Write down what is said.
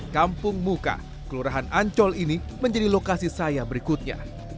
kampung muka kelurahan ancol ini menjadi lokasi saya berikutnya